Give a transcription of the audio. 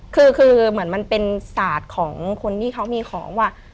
คือเหมือนมันเป็นศาสตร์ของคนที่เขามีของว่า